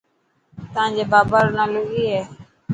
تانجي بابا رو نالو ڪي هي.